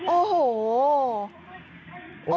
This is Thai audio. โอ้โห